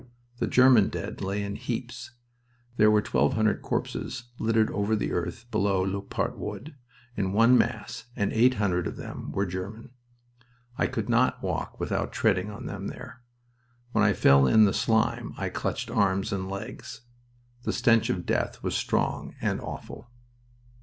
The German dead lay in heaps. There were twelve hundred corpses littered over the earth below Loupart Wood, in one mass, and eight hundred of them were German. I could not walk without treading on them there. When I fell in the slime I clutched arms and legs. The stench of death was strong and awful.